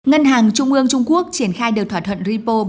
ngân hàng trung ương trung quốc triển khai được thỏa thuận repo